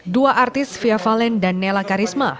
dua artis fia valen dan nela karisma